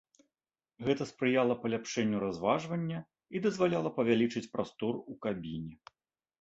Гэта спрыяла паляпшэнню разважвання і дазваляла павялічыць прастор у кабіне.